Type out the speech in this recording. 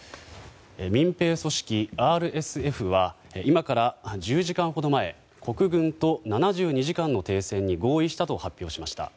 民兵組織ＲＳＦは今から１０時間ほど前国軍と７２時間の停戦に合意したと発表しました。